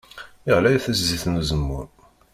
Ɣlayet zzit n uzemmur.